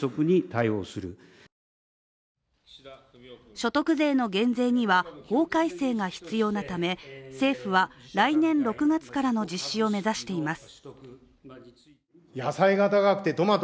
所得税の減税には法改正が必要なため政府は来年６月からの実施を目指しています。